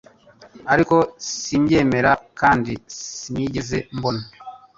ariko simbyemera kandi sinigeze mbona